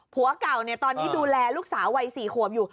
ผัวเก่าตอนนี้ดูแลลูกสาววัย๔ขวบอยู่